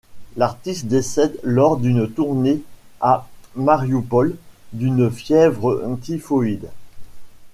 L'artiste décède lors d'une tournée à Marioupol d'une fièvre typhoïde.